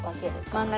真ん中？